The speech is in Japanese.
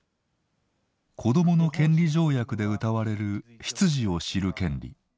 子どもの権利条約でうたわれる出自を知る権利。